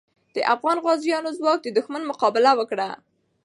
د افغان غازیو ځواک د دښمن مقابله وکړه.